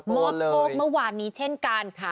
อบโชคเมื่อวานนี้เช่นกันค่ะ